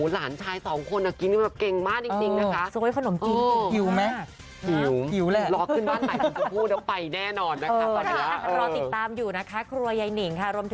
แล้วตอนนี้เขาทำอาหารอีสานคุณผู้ชมก็ได้ดูคลิปไว้นะคะ